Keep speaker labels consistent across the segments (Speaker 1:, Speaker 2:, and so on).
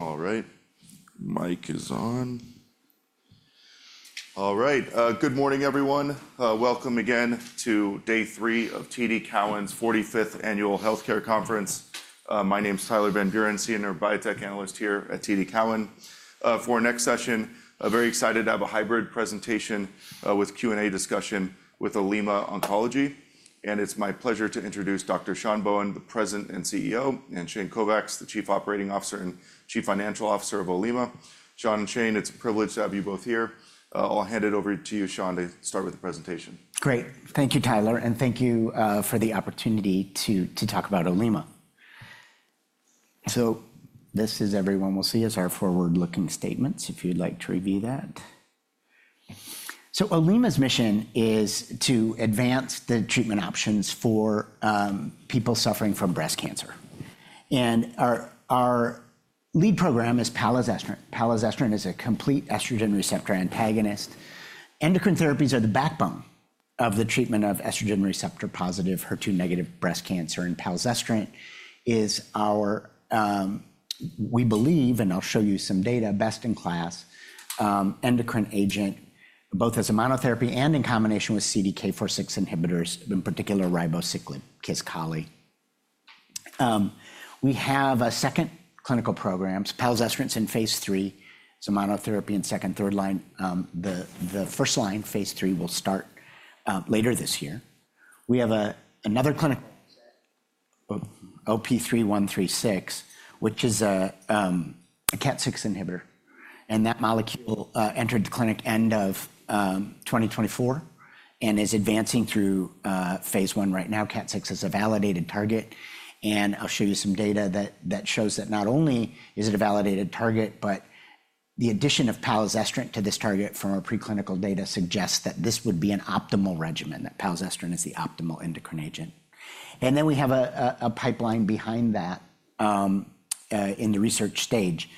Speaker 1: All right. Mic is on. All right. Good morning, everyone. Welcome again to day three of TD Cowen's 45th Annual Healthcare Conference. My name is Tyler Van Buren, Senior Biotech Analyst here at TD Cowen. For our next session, I'm very excited to have a hybrid presentation with Q&A discussion with Olema Oncology. And it's my pleasure to introduce Dr. Sean Bohen, the President and CEO, and Shane Kovacs, the Chief Operating Officer and Chief Financial Officer of Olema. Sean and Shane, it's a privilege to have you both here. I'll hand it over to you, Sean, to start with the presentation.
Speaker 2: Great. Thank you, Tyler. Thank you for the opportunity to talk about Olema. This is everyone will see as our forward-looking statements, if you'd like to review that. Olema's mission is to advance the treatment options for people suffering from breast cancer. Our lead program is palazestrant. Palazestrant is a complete estrogen receptor antagonist. Endocrine therapies are the backbone of the treatment of estrogen receptor positive, HER2-negative breast cancer. Palazestrant is our, we believe, and I'll show you some data, best in class endocrine agent, both as a monotherapy and in combination with CDK4/6 inhibitors, in particular ribociclib, Kisqali. We have a second clinical program. Palazestrant's in phase three. It's a monotherapy in second, third line. The first line, phase three, will start later this year. We have another clinical, OP-3136, which is a KAT6 inhibitor. That molecule entered the clinic end of 2024 and is advancing through phase one right now. KAT6 is a validated target. I will show you some data that shows that not only is it a validated target, but the addition of palazestrant to this target from our preclinical data suggests that this would be an optimal regimen, that palazestrant is the optimal endocrine agent. We have a pipeline behind that in the research stage.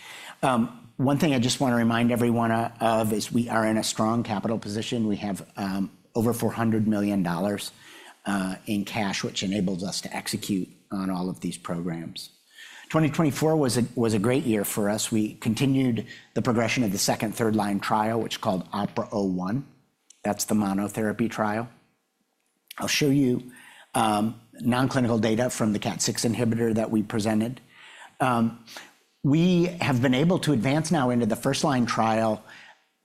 Speaker 2: One thing I just want to remind everyone of is we are in a strong capital position. We have over $400 million in cash, which enables us to execute on all of these programs. 2024 was a great year for us. We continued the progression of the second, third line trial, which is called OPERA-01. That is the monotherapy trial. I will show you nonclinical data from the KAT6 inhibitor that we presented. We have been able to advance now into the first line trial,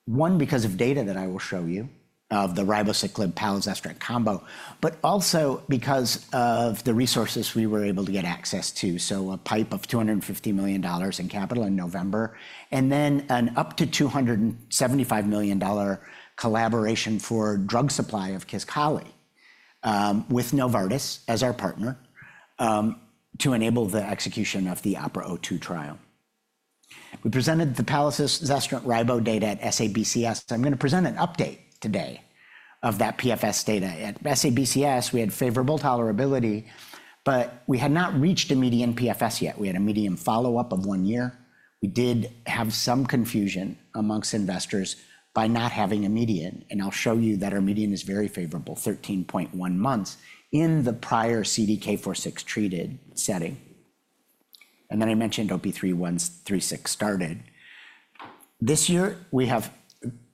Speaker 2: one, because of data that I will show you of the ribociclib palazestrant combo, but also because of the resources we were able to get access to. A pipe of $250 million in capital in November, and then an up to $275 million collaboration for drug supply of Kisqali with Novartis as our partner to enable the execution of the OPERA-02 trial. We presented the palazestrant ribociclib data at SABCS. I'm going to present an update today of that PFS data at SABCS. We had favorable tolerability, but we had not reached a median PFS yet. We had a median follow-up of one year. We did have some confusion amongst investors by not having a median. I'll show you that our median is very favorable, 13.1 months in the prior CDK4/6 treated setting. I mentioned OP-3136 started. This year, we have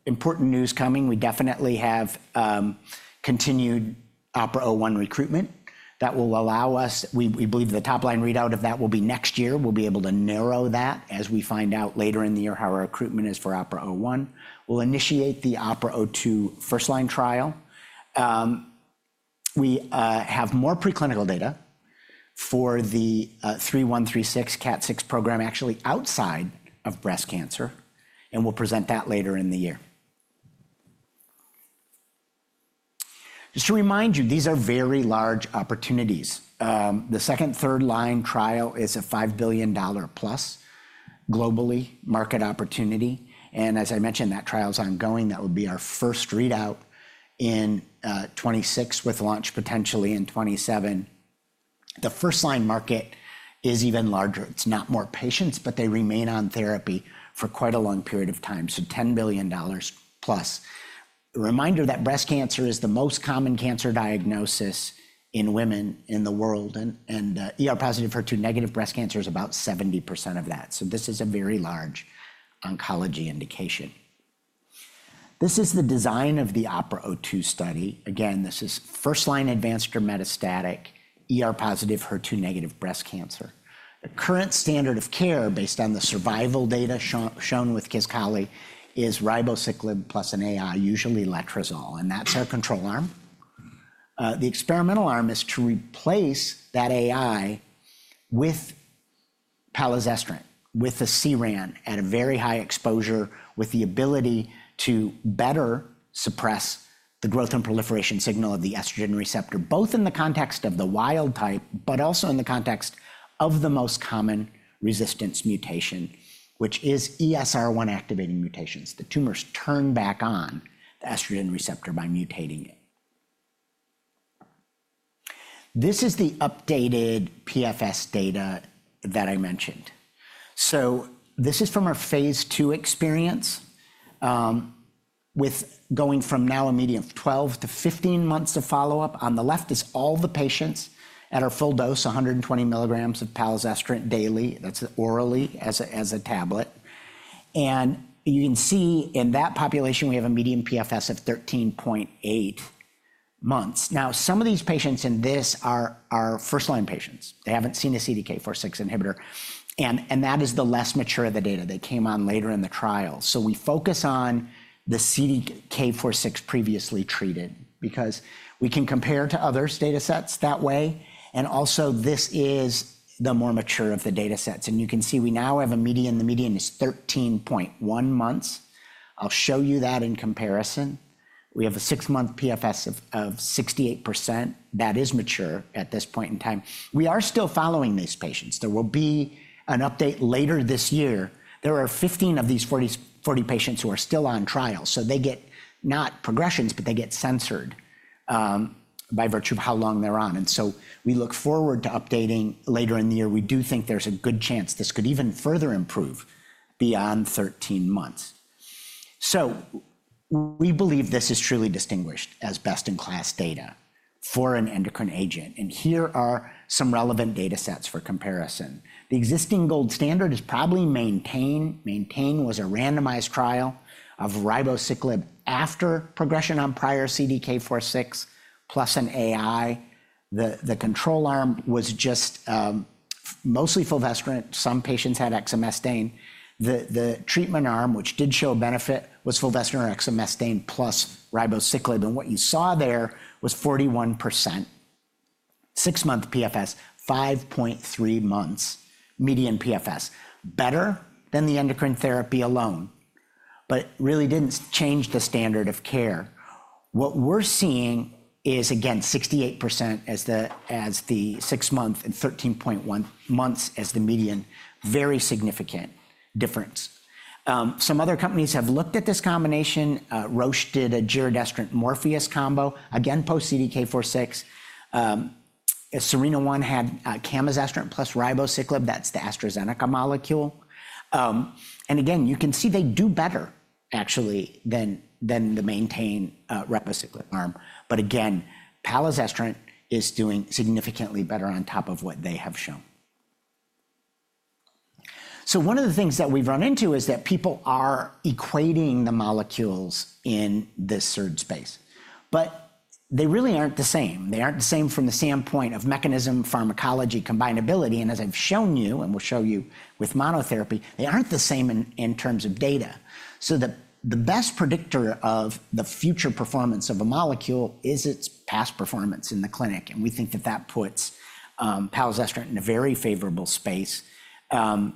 Speaker 2: important news coming. We definitely have continued OPERA-01 recruitment that will allow us, we believe the top line readout of that will be next year. We'll be able to narrow that as we find out later in the year how our recruitment is for OPERA-01. We'll initiate the OPERA-02 first line trial. We have more preclinical data for the OP-3136 KAT6 program actually outside of breast cancer, and we'll present that later in the year. Just to remind you, these are very large opportunities. The second, third line trial is a $5 billion plus global market opportunity. As I mentioned, that trial's ongoing. That will be our first readout in 2026 with launch potentially in 2027. The first line market is even larger. It's not more patients, but they remain on therapy for quite a long period of time. $10 billion plus. Reminder that breast cancer is the most common cancer diagnosis in women in the world. ER-positive HER2-negative breast cancer is about 70% of that. This is a very large oncology indication. This is the design of the OPERA-02 study. Again, this is first line advanced or metastatic ER-positive HER2-negative breast cancer. The current standard of care based on the survival data shown with Kisqali is ribociclib plus an AI, usually letrozole. That is our control arm. The experimental arm is to replace that AI with palazestrant, with a CERAN at a very high exposure, with the ability to better suppress the growth and proliferation signal of the estrogen receptor, both in the context of the wild type, but also in the context of the most common resistance mutation, which is ESR1 activating mutations. The tumors turn back on the estrogen receptor by mutating it. This is the updated PFS data that I mentioned. This is from our phase two experience with going from now a median of 12 months to 15 months of follow-up. On the left is all the patients at our full dose, 120 mg of palazestrant daily. That's orally as a tablet. You can see in that population, we have a median PFS of 13.8 months. Some of these patients in this are first line patients. They haven't seen a CDK4/6 inhibitor. That is the less mature of the data. They came on later in the trial. We focus on the CDK4/6 previously treated because we can compare to other data sets that way. Also, this is the more mature of the data sets. You can see we now have a median. The median is 13.1 months. I'll show you that in comparison. We have a six-month PFS of 68%. That is mature at this point in time. We are still following these patients. There will be an update later this year. There are 15 of these 40 patients who are still on trial. They get not progressions, but they get censored by virtue of how long they're on. We look forward to updating later in the year. We do think there's a good chance this could even further improve beyond 13 months. We believe this is truly distinguished as best in class data for an endocrine agent. Here are some relevant data sets for comparison. The existing gold standard is probably MAINTAIN. MAINTAIN was a randomized trial of ribociclib after progression on prior CDK4/6 plus an AI. The control arm was just mostly fulvestrant. Some patients had exemestane. The treatment arm, which did show benefit, was fulvestrant or exemestane plus ribociclib. What you saw there was 41% six-month PFS, 5.3 months median PFS. Better than the endocrine therapy alone, but really did not change the standard of care. What we are seeing is, again, 68% as the six-month and 13.1 months as the median, very significant difference. Some other companies have looked at this combination. Roche did a giredestrant-MORPHEUS combo, again, post-CDK4/6. SERENA-1 had camizestrant plus ribociclib. That is the AstraZeneca molecule. You can see they do better actually than the MAINTAIN ribociclib arm. Palazestrant is doing significantly better on top of what they have shown. One of the things that we have run into is that people are equating the molecules in this third space. They really are not the same. They aren't the same from the standpoint of mechanism, pharmacology, combinability. As I've shown you, and we'll show you with monotherapy, they aren't the same in terms of data. The best predictor of the future performance of a molecule is its past performance in the clinic. We think that that puts palazestrant in a very favorable space. In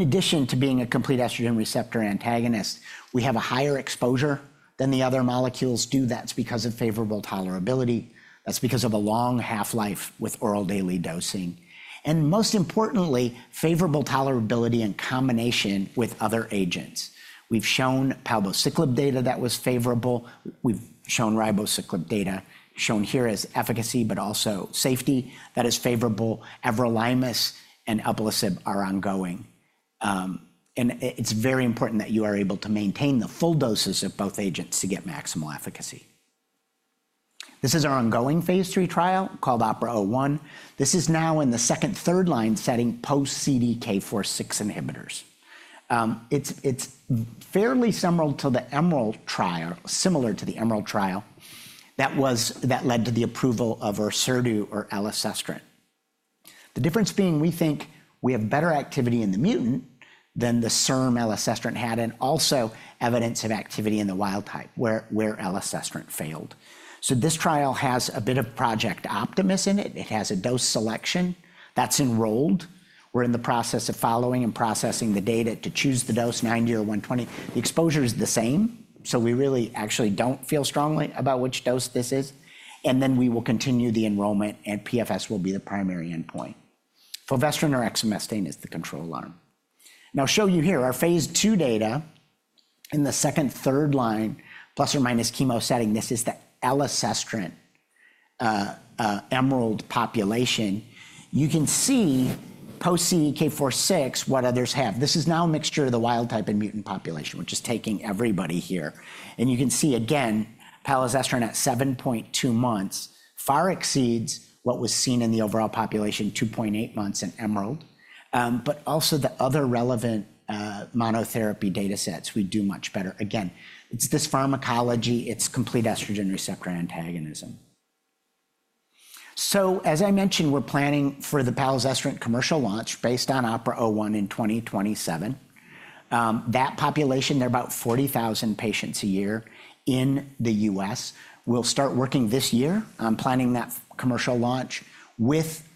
Speaker 2: addition to being a complete estrogen receptor antagonist, we have a higher exposure than the other molecules do. That's because of favorable tolerability. That's because of a long half-life with oral daily dosing. Most importantly, favorable tolerability in combination with other agents. We've shown palbociclib data that was favorable. We've shown ribociclib data shown here as efficacy, but also safety that is favorable. Everolimus and alpelisib are ongoing. It's very important that you are able to maintain the full doses of both agents to get maximal efficacy. This is our ongoing phase three trial called OPERA-01. This is now in the second, third line setting post-CDK4/6 inhibitors. It's fairly similar to the EMERALD trial, similar to the EMERALD trial that led to the approval of Orserdu or elacestrant. The difference being, we think we have better activity in the mutant than the SERM elacestrant had, and also evidence of activity in the wild type where elacestrant failed. This trial has a bit of Project Optimus in it. It has a dose selection that's enrolled. We're in the process of following and processing the data to choose the dose, 90 or 120. The exposure is the same. We really actually don't feel strongly about which dose this is. We will continue the enrollment, and PFS will be the primary endpoint. Fulvestrant or exemestane is the control arm. I'll show you here our phase two data in the second, third line plus or minus chemo setting. This is the elacestrant EMERALD population. You can see post-CDK4/6 what others have. This is now a mixture of the wild type and mutant population, which is taking everybody here. You can see again, palazestrant at 7.2 months far exceeds what was seen in the overall population, 2.8 months in EMERALD. Also the other relevant monotherapy data sets, we do much better. Again, it's this pharmacology, it's complete estrogen receptor antagonism. As I mentioned, we're planning for the palazestrant commercial launch based on OPERA-01 in 2027. That population, there are about 40,000 patients a year in the U.S., will start working this year. I'm planning that commercial launch with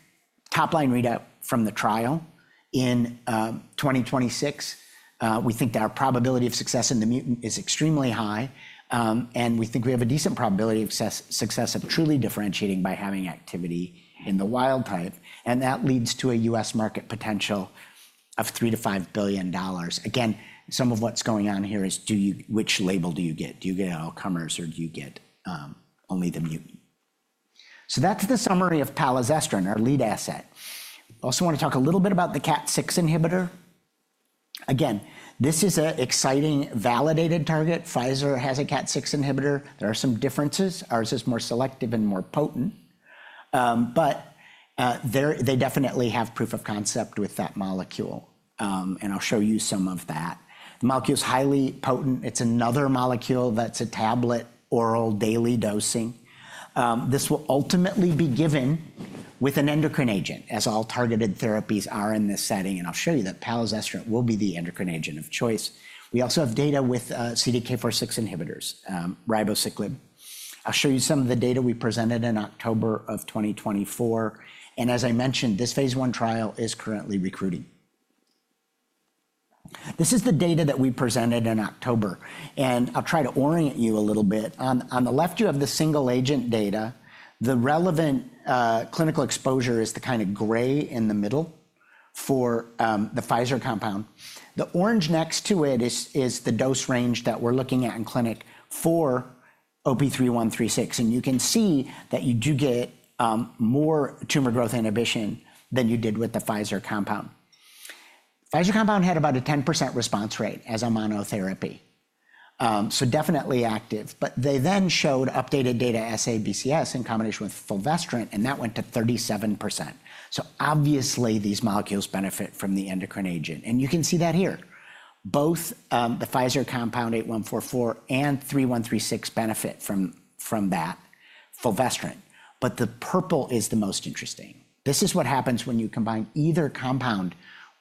Speaker 2: top line readout from the trial in 2026. We think our probability of success in the mutant is extremely high. We think we have a decent probability of success of truly differentiating by having activity in the wild type. That leads to a U.S. market potential of $3 billion to $5 billion. Again, some of what's going on here is which label do you get? Do you get all comers or do you get only the mutant? That is the summary of palazestrant, our lead asset. I also want to talk a little bit about the KAT6 inhibitor. This is an exciting validated target. Pfizer has a KAT6 inhibitor. There are some differences. Ours is more selective and more potent. They definitely have proof of concept with that molecule. I'll show you some of that. The molecule is highly potent. It's another molecule that's a tablet oral daily dosing. This will ultimately be given with an endocrine agent, as all targeted therapies are in this setting. I'll show you that palazestrant will be the endocrine agent of choice. We also have data with CDK4/6 inhibitors, ribociclib. I'll show you some of the data we presented in October of 2024. As I mentioned, this phase one trial is currently recruiting. This is the data that we presented in October. I'll try to orient you a little bit. On the left, you have the single agent data. The relevant clinical exposure is the kind of gray in the middle for the Pfizer compound. The orange next to it is the dose range that we're looking at in clinic for OP-3136. You can see that you do get more tumor growth inhibition than you did with the Pfizer compound. Pfizer compound had about a 10% response rate as a monotherapy. Definitely active. They then showed updated data at SABCS in combination with fulvestrant, and that went to 37%. Obviously, these molecules benefit from the endocrine agent. You can see that here. Both the Pfizer compound 8144 and OP-3136 benefit from that fulvestrant. The purple is the most interesting. This is what happens when you combine either compound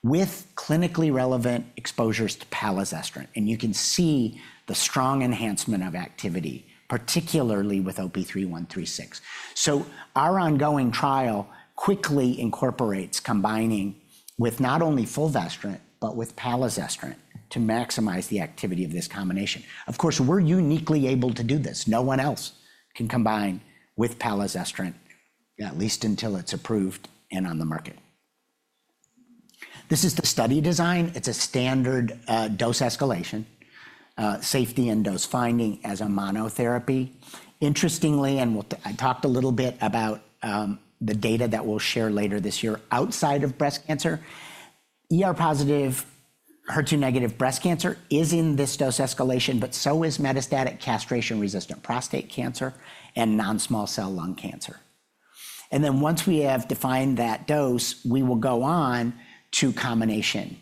Speaker 2: with clinically relevant exposures to palazestrant. You can see the strong enhancement of activity, particularly with OP-3136. Our ongoing trial quickly incorporates combining with not only fulvestrant, but with palazestrant to maximize the activity of this combination. Of course, we're uniquely able to do this. No one else can combine with palazestrant, at least until it's approved and on the market. This is the study design. It's a standard dose escalation, safety, and dose finding as a monotherapy. Interestingly, and I talked a little bit about the data that we'll share later this year outside of breast cancer. ER-positive, HER2-negative breast cancer is in this dose escalation, but so is metastatic castration-resistant prostate cancer and non-small cell lung cancer. Once we have defined that dose, we will go on to combination.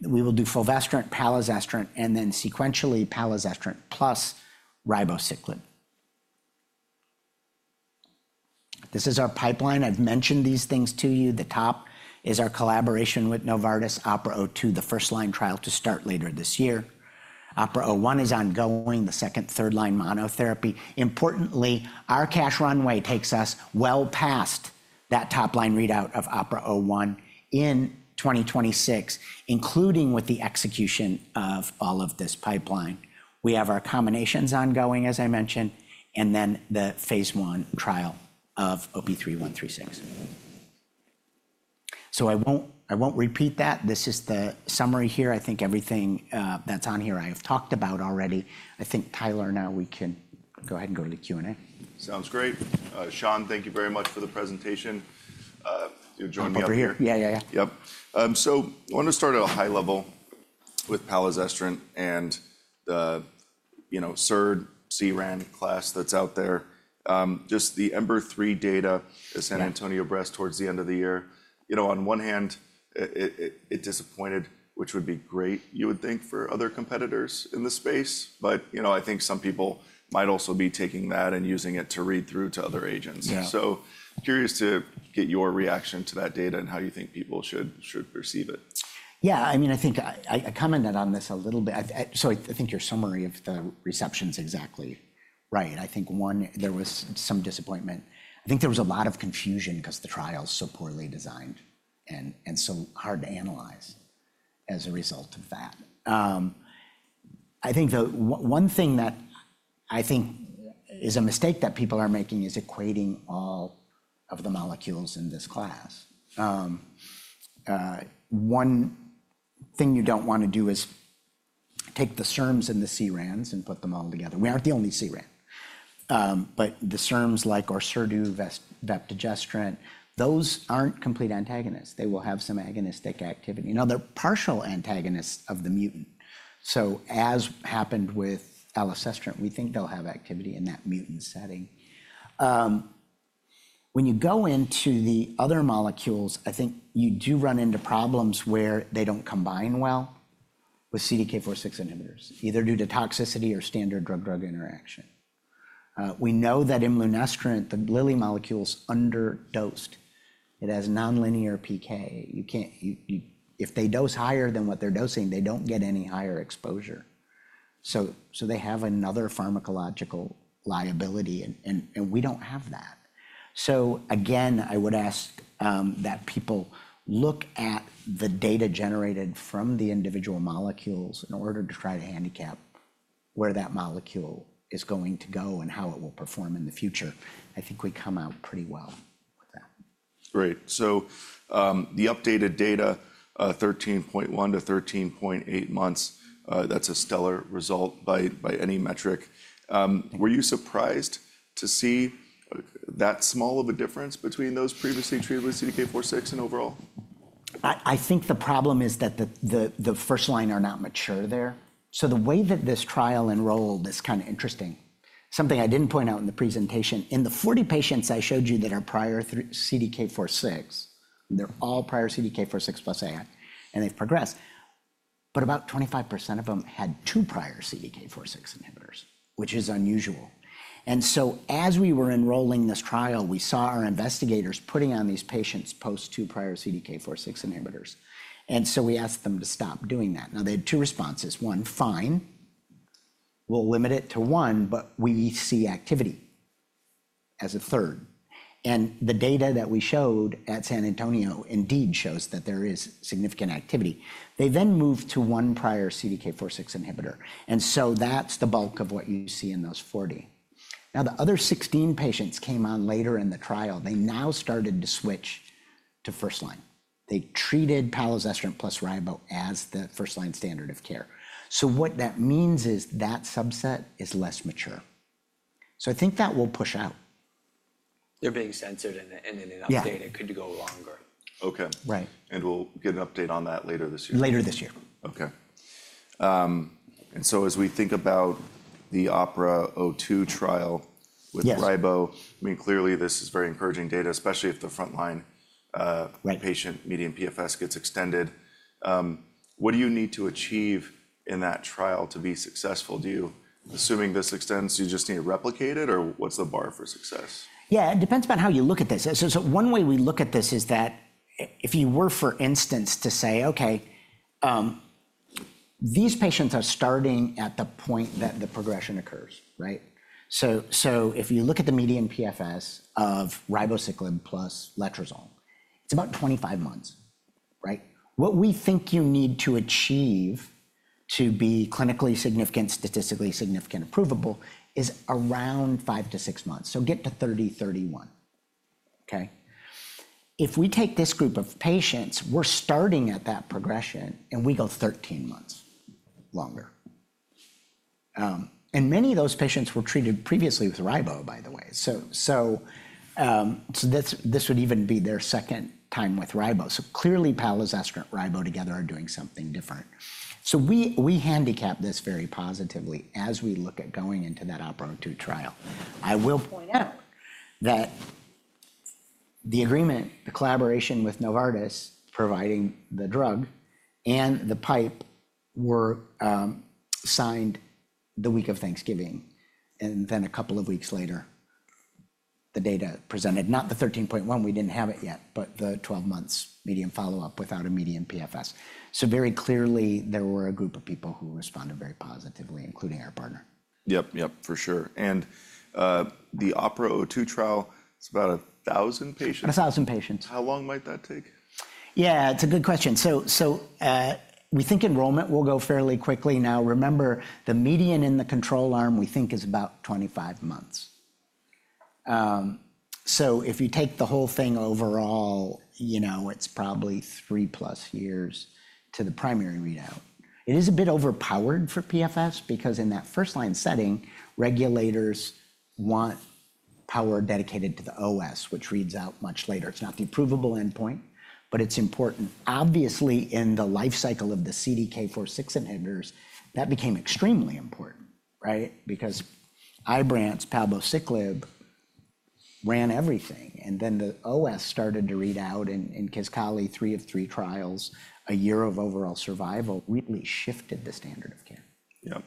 Speaker 2: We will do fulvestrant, palazestrant, and then sequentially palazestrant plus ribociclib. This is our pipeline. I've mentioned these things to you. The top is our collaboration with Novartis OPERA-02, the first line trial to start later this year. OPERA-01 is ongoing, the second, third line monotherapy. Importantly, our cash runway takes us well past that top line readout of OPERA-01 in 2026, including with the execution of all of this pipeline. We have our combinations ongoing, as I mentioned, and then the phase one trial of OP-3136. I won't repeat that. This is the summary here. I think everything that's on here I have talked about already. I think, Tyler, now we can go ahead and go to the Q&A.
Speaker 1: Sounds great. Sean, thank you very much for the presentation. You're joining me on the phone.
Speaker 3: Over here.
Speaker 2: Yeah, yeah.
Speaker 1: Yep. I want to start at a high level with palazestrant and the SERD/CERAN class that's out there. Just the EMBER-3 data at San Antonio Breast towards the end of the year. On one hand, it disappointed, which would be great, you would think, for other competitors in the space. I think some people might also be taking that and using it to read through to other agents. Curious to get your reaction to that data and how you think people should perceive it.
Speaker 2: Yeah. I mean, I think I commented on this a little bit. I think your summary of the reception is exactly right. I think, one, there was some disappointment. I think there was a lot of confusion because the trial is so poorly designed and so hard to analyze as a result of that. I think one thing that I think is a mistake that people are making is equating all of the molecules in this class. One thing you do not want to do is take the SERMs and the CERANs and put them all together. We are not the only CERAN. The SERMs, like Orserdu, vepdegestrant, those are not complete antagonists. They will have some agonistic activity. They are partial antagonists of the mutant. As happened with elacestrant, we think they will have activity in that mutant setting. When you go into the other molecules, I think you do run into problems where they don't combine well with CDK4/6 inhibitors, either due to toxicity or standard drug-drug interaction. We know that immunestrin, the Lilly molecules, underdosed. It has nonlinear PK. If they dose higher than what they're dosing, they don't get any higher exposure. They have another pharmacological liability, and we don't have that. I would ask that people look at the data generated from the individual molecules in order to try to handicap where that molecule is going to go and how it will perform in the future. I think we come out pretty well with that.
Speaker 1: Great. The updated data, 13.1 months to 13.8 months, that's a stellar result by any metric. Were you surprised to see that small of a difference between those previously treated with CDK4/6 and overall?
Speaker 2: I think the problem is that the first line are not mature there. The way that this trial enrolled is kind of interesting. Something I didn't point out in the presentation, in the 40 patients I showed you that are prior CDK4/6, they're all prior CDK4/6 + AI, and they've progressed. About 25% of them had two prior CDK4/6 inhibitors, which is unusual. As we were enrolling this trial, we saw our investigators putting on these patients post-two prior CDK4/6 inhibitors. We asked them to stop doing that. They had two responses. One, fine, we'll limit it to one, but we see activity as a third. The data that we showed at San Antonio indeed shows that there is significant activity. They then moved to one prior CDK4/6 inhibitor. That's the bulk of what you see in those 40. Now, the other 16 patients came on later in the trial. They now started to switch to first line. They treated palazestrant plus ribociclib as the first line standard of care. What that means is that subset is less mature. I think that will push out.
Speaker 3: They're being censored, and in an update, it could go longer.
Speaker 1: Okay.
Speaker 2: Right.
Speaker 1: We will get an update on that later this year.
Speaker 2: Later this year.
Speaker 1: Okay. As we think about the OPERA-02 trial with ribociclib, I mean, clearly, this is very encouraging data, especially if the front line patient median PFS gets extended. What do you need to achieve in that trial to be successful? Do you, assuming this extends, you just need to replicate it, or what's the bar for success?
Speaker 2: Yeah, it depends upon how you look at this. One way we look at this is that if you were, for instance, to say, okay, these patients are starting at the point that the progression occurs, right? If you look at the median PFS of ribociclib plus letrozole, it's about 25 months, right? What we think you need to achieve to be clinically significant, statistically significant, and provable is around five to six months. Get to 30, 31, okay? If we take this group of patients, we're starting at that progression, and we go 13 months longer. Many of those patients were treated previously with ribociclib, by the way. This would even be their second time with ribociclib. Clearly, palazestrant, ribo together are doing something different. We handicap this very positively as we look at going into that OPERA-02 trial. I will point out that the agreement, the collaboration with Novartis providing the drug and the pipe were signed the week of Thanksgiving. A couple of weeks later, the data presented, not the 13.1 months, we did not have it yet, but the 12-months median follow-up without a median PFS. Very clearly, there were a group of people who responded very positively, including our partner.
Speaker 1: Yep, yep, for sure. The OPERA-02 trial, it's about 1,000 patients.
Speaker 2: 1,000 patients.
Speaker 1: How long might that take?
Speaker 2: Yeah, it's a good question. We think enrollment will go fairly quickly. Now, remember, the median in the control arm, we think, is about 25 months. If you take the whole thing overall, it's probably three-plus years to the primary readout. It is a bit overpowered for PFS because in that first line setting, regulators want power dedicated to the OS, which reads out much later. It's not the provable endpoint, but it's important. Obviously, in the life cycle of the CDK4/6 inhibitors, that became extremely important, right? Because Ibrance, palbociclib, ran everything. Then the OS started to read out in Kisqali three of three trials, a year of overall survival really shifted the standard of care.
Speaker 1: Yeah.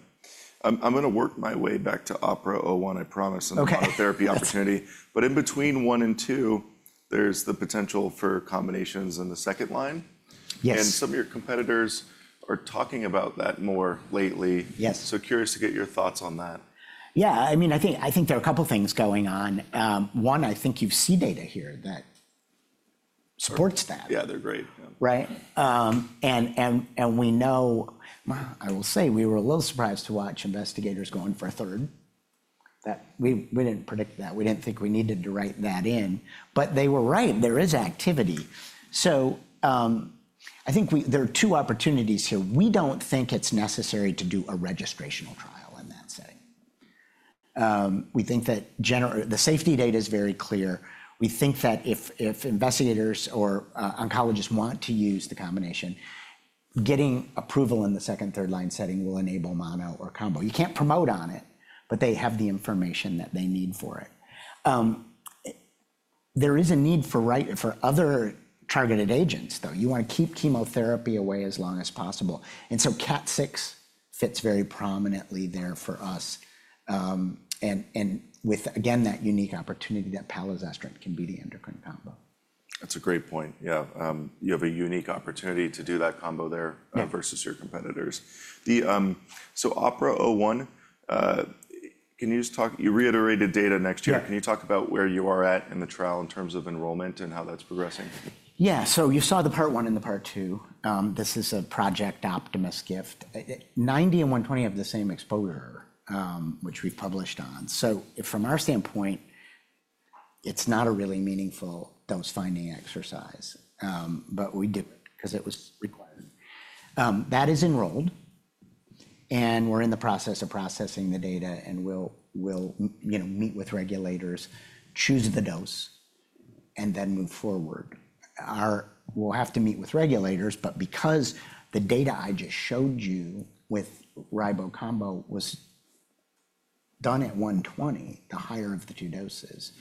Speaker 1: I'm going to work my way back to OPERA-01, I promise, and the monotherapy opportunity. In between one and two, there's the potential for combinations in the second line.
Speaker 2: Yes.
Speaker 1: Some of your competitors are talking about that more lately.
Speaker 2: Yes.
Speaker 1: Curious to get your thoughts on that.
Speaker 2: Yeah. I mean, I think there are a couple of things going on. One, I think you've seen data here that supports that.
Speaker 1: Yeah, they're great.
Speaker 2: Right? And we know, I will say, we were a little surprised to watch investigators going for a third. We did not predict that. We did not think we needed to write that in. But they were right. There is activity. I think there are two opportunities here. We do not think it is necessary to do a registrational trial in that setting. We think that the safety data is very clear. We think that if investigators or oncologists want to use the combination, getting approval in the second, third line setting will enable mono or combo. You cannot promote on it, but they have the information that they need for it. There is a need for other targeted agents, though. You want to keep chemotherapy away as long as possible. KAT6 fits very prominently there for us. With, again, that unique opportunity that palazestrant can be the endocrine combo.
Speaker 1: That's a great point. Yeah. You have a unique opportunity to do that combo there versus your competitors. OPERA-01, can you just talk? You reiterated data next year. Can you talk about where you are at in the trial in terms of enrollment and how that's progressing?
Speaker 2: Yeah. You saw the part one and the part two. This is a Project Optimus gift. 90 and 120 have the same exposure, which we've published on. From our standpoint, it's not a really meaningful dose finding exercise, but we did it because it was required. That is enrolled, and we're in the process of processing the data, and we'll meet with regulators, choose the dose, and then move forward. We'll have to meet with regulators, but because the data I just showed you with ribociclib combo was done at 120, the higher of the two doses,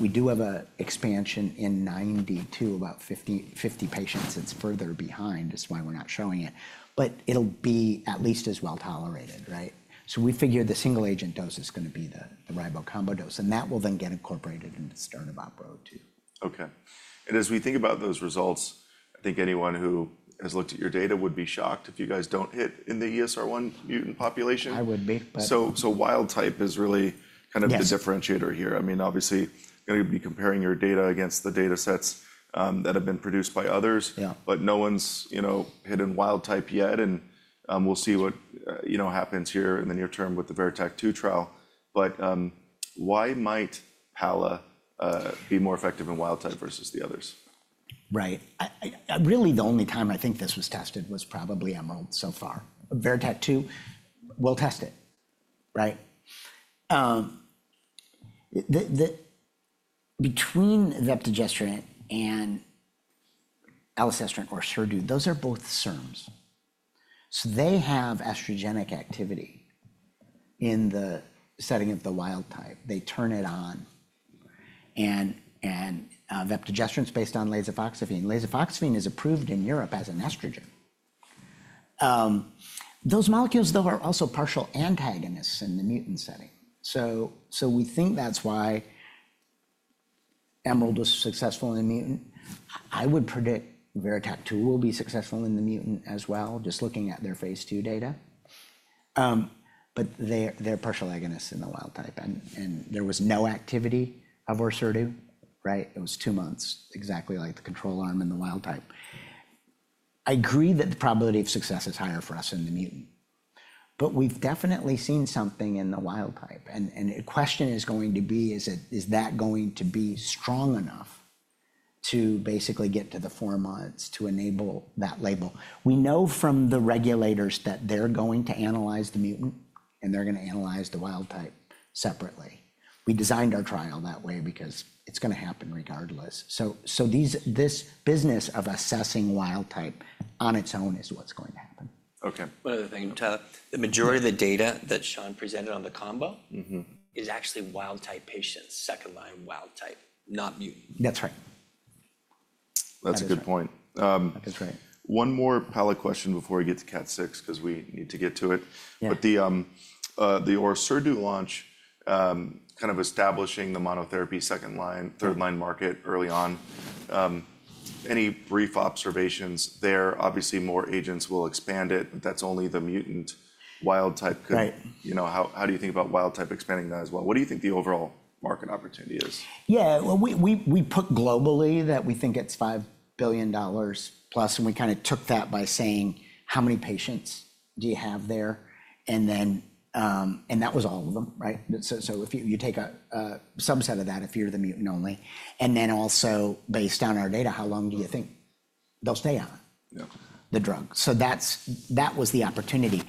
Speaker 2: we do have an expansion in 90 to about 50 patients. It's further behind. It's why we're not showing it. It'll be at least as well tolerated, right? We figure the single agent dose is going to be the ribociclib combo dose. That will then get incorporated into start of OPERA-02.
Speaker 1: Okay. As we think about those results, I think anyone who has looked at your data would be shocked if you guys don't hit in the ESR1 mutant population.
Speaker 2: I would be, but.
Speaker 1: Wild type is really kind of the differentiator here. I mean, obviously, you're going to be comparing your data against the data sets that have been produced by others.
Speaker 2: Yeah.
Speaker 1: No one's hit in wild type yet. We'll see what happens here in the near term with the VERITAC-2 trial. Why might PALA be more effective in wild type versus the others?
Speaker 2: Right. Really, the only time I think this was tested was probably EMERALD so far. VERITAC-2 will test it, right? Between veptigestrant and elacestrant or Orserdu, those are both SERMs. So they have estrogenic activity in the setting of the wild type. They turn it on. And veptigestrant is based on lasofoxifene. Lasofoxifene is approved in Europe as an estrogen. Those molecules, though, are also partial antagonists in the mutant setting. I think that's why EMERALD was successful in the mutant. I would predict VERITAC-2 will be successful in the mutant as well, just looking at their phase two data. They are partial agonists in the wild type. There was no activity of Orserdu, right? It was two months, exactly like the control arm in the wild type. I agree that the probability of success is higher for us in the mutant. We've definitely seen something in the wild type. The question is going to be, is that going to be strong enough to basically get to the four months to enable that label? We know from the regulators that they're going to analyze the mutant, and they're going to analyze the wild type separately. We designed our trial that way because it's going to happen regardless. This business of assessing wild type on its own is what's going to happen.
Speaker 1: Okay.
Speaker 3: One other thing, Tyler. The majority of the data that Sean presented on the combo is actually wild type patients, second line wild type, not mutant.
Speaker 2: That's right.
Speaker 1: That's a good point.
Speaker 2: That's right.
Speaker 1: One more palazestrant question before we get to KAT6 because we need to get to it. But the Orserdu launch, kind of establishing the monotherapy second line, third line market early on, any brief observations there? Obviously, more agents will expand it, but that's only the mutant wild type could.
Speaker 2: Right.
Speaker 1: How do you think about wild type expanding that as well? What do you think the overall market opportunity is?
Speaker 2: Yeah. We put globally that we think it's $5+ billion. We kind of took that by saying, how many patients do you have there? That was all of them, right? If you take a subset of that, if you're the mutant only, and then also based on our data, how long do you think they'll stay on the drug? That was the opportunity.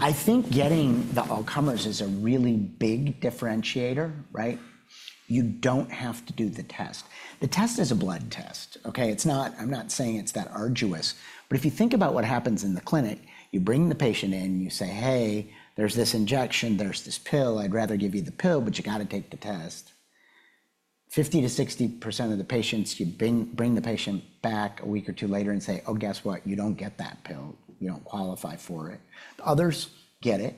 Speaker 2: I think getting the all-comers is a really big differentiator, right? You don't have to do the test. The test is a blood test, okay? I'm not saying it's that arduous. If you think about what happens in the clinic, you bring the patient in, you say, "Hey, there's this injection, there's this pill. I'd rather give you the pill, but you got to take the test. 50% to 60% of the patients, you bring the patient back a week or two later and say, "Oh, guess what? You don't get that pill. You don't qualify for it." Others get it.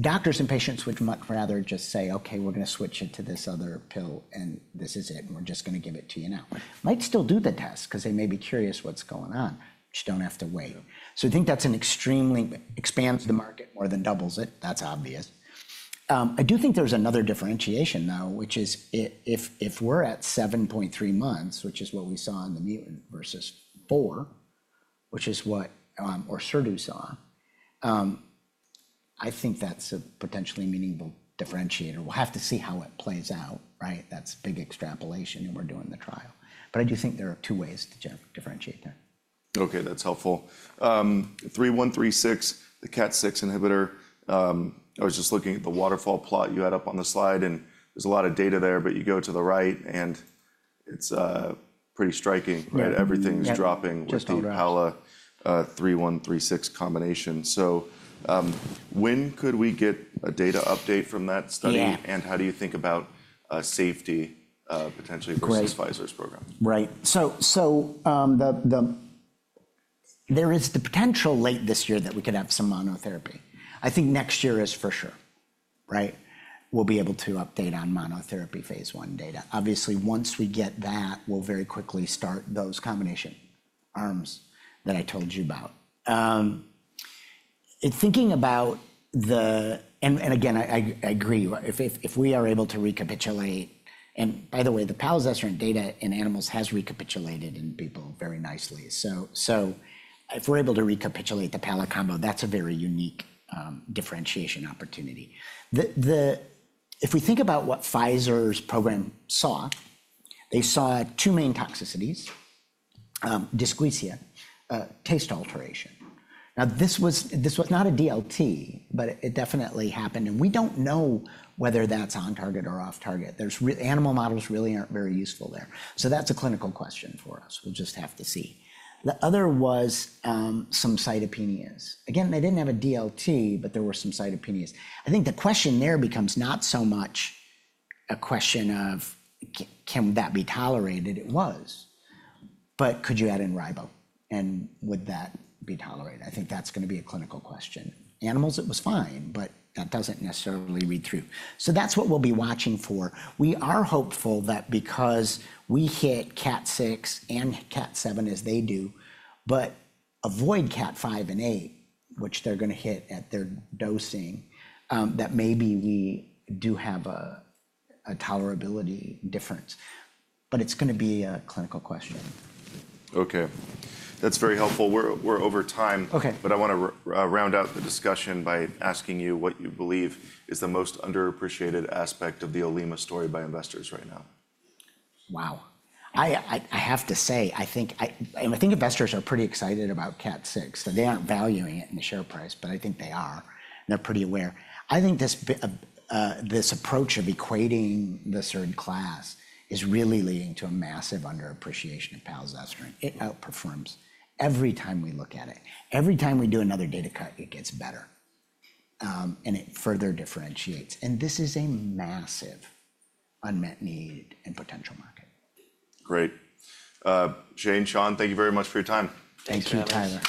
Speaker 2: Doctors and patients would much rather just say, "Okay, we're going to switch it to this other pill, and this is it, and we're just going to give it to you now." Might still do the test because they may be curious what's going on. Just don't have to wait. I think that extremely expands the market, more than doubles it. That's obvious. I do think there's another differentiation, though, which is if we're at 7.3 months, which is what we saw in the mutant versus four, which is what our Orserdu saw, I think that's a potentially meaningful differentiator. We'll have to see how it plays out, right? That's big extrapolation, and we're doing the trial. I do think there are two ways to differentiate there.
Speaker 1: Okay. That's helpful. OP-3136, the KAT6 inhibitor. I was just looking at the waterfall plot you had up on the slide, and there's a lot of data there, but you go to the right, and it's pretty striking, right? Everything's dropping with the palazestrant OP-3136 combination. When could we get a data update from that study?
Speaker 2: Yeah.
Speaker 1: How do you think about safety potentially versus Pfizer's program?
Speaker 2: Right. There is the potential late this year that we could have some monotherapy. I think next year is for sure, right? We'll be able to update on monotherapy phase one data. Obviously, once we get that, we'll very quickly start those combination arms that I told you about. Thinking about the, and again, I agree, if we are able to recapitulate, and by the way, the palazestrant data in animals has recapitulated in people very nicely. If we are able to recapitulate the palazestrant combo, that is a very unique differentiation opportunity. If we think about what Pfizer's program saw, they saw two main toxicities, dysgeusia, taste alteration. This was not a DLT, but it definitely happened. We do not know whether that is on target or off target. Animal models really are not very useful there. That is a clinical question for us. We will just have to see. The other was some cytopenias. Again, they didn't have a DLT, but there were some cytopenias. I think the question there becomes not so much a question of, can that be tolerated? It was. Could you add in ribo? And would that be tolerated? I think that's going to be a clinical question. Animals, it was fine, but that doesn't necessarily read through. That's what we'll be watching for. We are hopeful that because we hit cat six and cat seven as they do, but avoid cat five and eight, which they're going to hit at their dosing, that maybe we do have a tolerability difference. It's going to be a clinical question.
Speaker 1: Okay. That's very helpful. We're over time.
Speaker 2: Okay.
Speaker 1: I want to round out the discussion by asking you what you believe is the most underappreciated aspect of the Olema story by investors right now.
Speaker 2: Wow. I have to say, I think investors are pretty excited about KAT6. They aren't valuing it in the share price, but I think they are. They're pretty aware. I think this approach of equating the third class is really leading to a massive underappreciation of palazestrant. It outperforms every time we look at it. Every time we do another data cut, it gets better. It further differentiates. This is a massive unmet need in potential market.
Speaker 1: Great. Shane, Sean, thank you very much for your time.
Speaker 2: Thank you, Tyler.